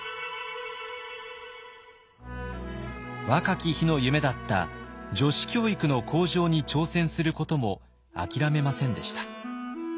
若き日の夢だった女子教育の向上に挑戦することも諦めませんでした。